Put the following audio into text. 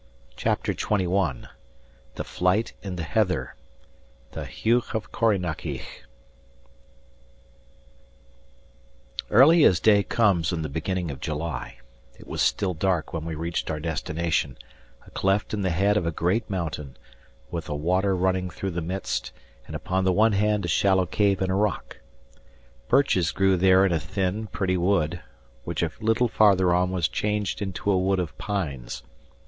CHAPTER XXI THE FLIGHT IN THE HEATHER: THE HEUGH OF CORRYNAKIEGH Early as day comes in the beginning of July, it was still dark when we reached our destination, a cleft in the head of a great mountain, with a water running through the midst, and upon the one hand a shallow cave in a rock. Birches grew there in a thin, pretty wood, which a little farther on was changed into a wood of pines.